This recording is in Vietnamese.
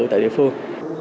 tại địa phương